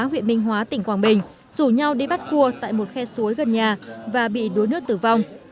huyện minh hóa tỉnh quảng bình rủ nhau đi bắt cua tại một khe suối gần nhà và bị đuối nước tử vong